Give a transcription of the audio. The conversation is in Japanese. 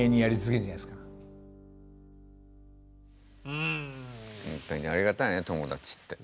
ほんとにありがたいね友達って。